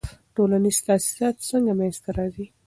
ټولنیز تاسیسات څنګه منځ ته راځي؟